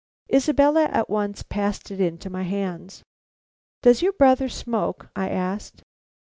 Isabella at once passed it into my hands. "Does your brother smoke?" I asked.